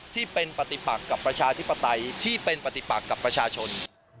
ที่เป็นปฏิปักกับประชาธิปไตยที่เป็นปฏิปักกับประชาชน